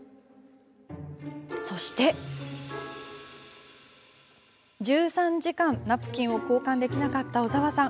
そして１３時間、ナプキンを交換できなかった小澤さん。